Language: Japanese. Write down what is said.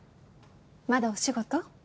まだお仕事？